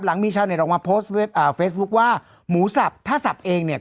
หลังมีชาวเน็ตเรามาโพสต์เพสบุ๊คว่าหมูสับถ้าสับเองเนี่ย